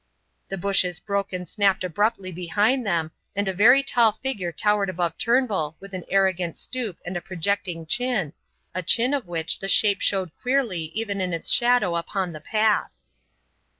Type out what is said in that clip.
The bushes broke and snapped abruptly behind them, and a very tall figure towered above Turnbull with an arrogant stoop and a projecting chin, a chin of which the shape showed queerly even in its shadow upon the path.